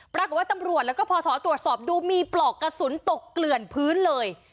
ปรากฏว่าตำรวจแล้วก็พอสอตรวจสอบดูมีปลอกกระสุนตกเกลื่อนพื้นเลย